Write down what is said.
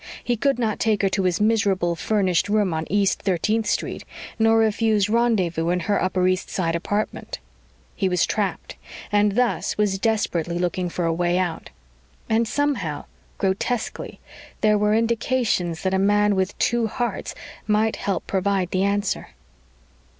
He could not take her to his miserable furnished room on East 13th Street, nor refuse rendezvous in her Upper East Side apartment. He was trapped and was thus desperately looking for a way out. And somehow, grotesquely, there were indications that a man with two hearts might help to provide the answer.